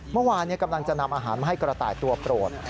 เมื่อวานกำลังจะนำอาหารมาให้กระต่ายตัวโปรด